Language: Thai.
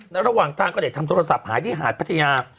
และระหว่างทางก็ได้ทำโทรศัพท์หายที่หาดพัทยา